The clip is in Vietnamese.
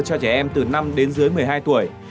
cho trẻ em từ năm đến dưới một mươi hai tuổi